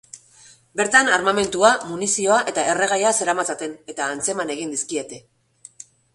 Bertan armamentua, munizioa eta erregaia zeramatzaten eta atzeman egin dizkiete.